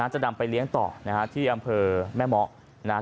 จะนำไปเลี้ยงต่อนะฮะที่อำเภอแม่เมาะนะครับ